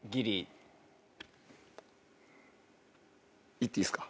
言っていいすか？